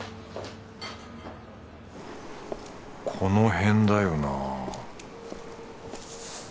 この辺だよな